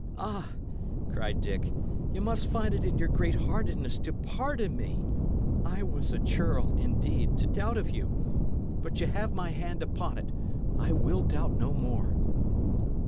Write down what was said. "Ah," cried Dick, "ye must find it in your great heartedness to pardon me! I was a churl, indeed, to doubt of you. But ye have my hand upon it; I will doubt no more."